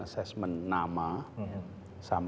assessment nama sama